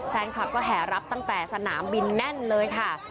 แฟนคลับก็แห่รับตั้งแต่สนามบินแน่นเลยค่ะ